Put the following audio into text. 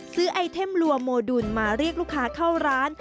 ไอเทมลัวโมดุลมาเรียกลูกค้าเข้าร้าน